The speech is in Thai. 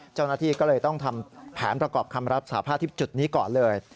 เจ้าหน้าที่ก็เลยต้องทำแผนประกอบคำรับสาภาพที่จุดนี้ก่อนเลย